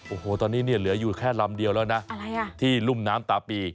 โอ้โหตอนนี้เนี่ยเหลืออยู่แค่ลำเดียวแล้วนะอะไรอ่ะที่รุ่มน้ำตาปี